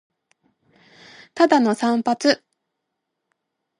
ただの散髪